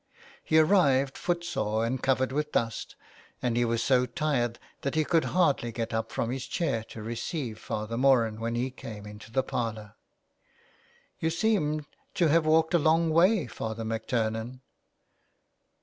He arrived foot sore and covered with dust, and he was so tired that he could hardly get up from his chair to receive Father Moran when he came into the parlour. "You seem to have walked a long way, Father MacTurnan."